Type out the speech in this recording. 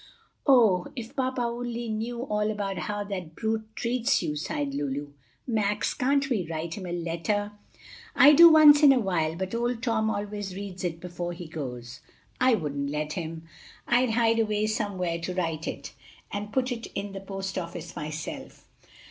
"Oh, if papa only knew all about how that brute treats you!" sighed Lulu. "Max, can't we write him a letter?" "I do once in a while, but old Tom always reads it before it goes." "I wouldn't let him. I'd hide away somewhere to write it, and put it in the post office myself."